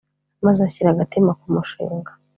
maze shyira agatima ku mushinga